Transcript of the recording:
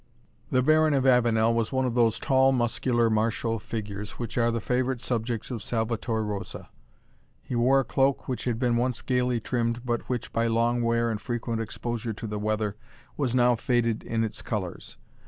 The Baron of Avenel was one of those tall, muscular, martial figures, which are the favourite subjects of Salvator Rosa. He wore a cloak which had been once gaily trimmed, but which, by long wear and frequent exposure to the weather, was now faded in its colours.